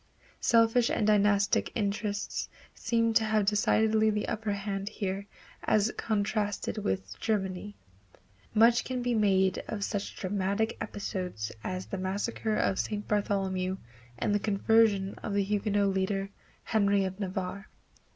Selfish and dynastic interests seem to have decidedly the upper hand here as contrasted with Germany. Much can be made of such dramatic episodes as the massacre of St. Bartholomew and the conversion of the Huguenot leader, Henry of Navarre.